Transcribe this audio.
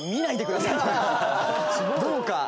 どうか。